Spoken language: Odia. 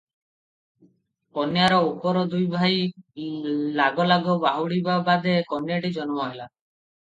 କନ୍ୟାର ଉପର ଦୁଇ ଭାଇ ଲାଗ ଲାଗ ବାହୁଡ଼ିବା ବାଦେ କନ୍ୟାଟି ଜନ୍ମ ହେଲା ।